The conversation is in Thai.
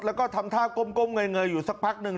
แล้วก็ทำท่าก้มเงยอยู่สักพักหนึ่ง